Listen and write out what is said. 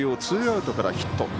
ツーアウトからヒット。